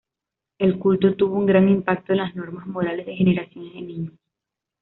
El culto tuvo un gran impacto en las normas morales de generaciones de niños.